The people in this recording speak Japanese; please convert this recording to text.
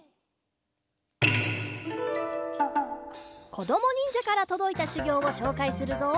こどもにんじゃからとどいたしゅぎょうをしょうかいするぞ！